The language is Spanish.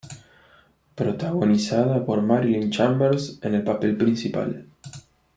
Protagonizada por Marilyn Chambers en el papel principal.